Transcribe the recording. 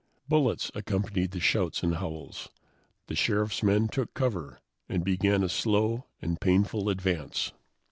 Bullets accompanied the shouts and howls. The Sheriff's men took cover and began a slow and painful advance.